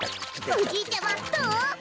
おじいちゃまどう？